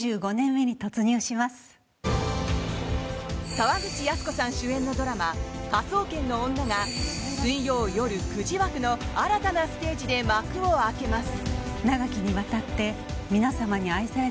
沢口靖子さん主演のドラマ「科捜研の女」が水曜夜９時枠の新たなステージで幕を開けます。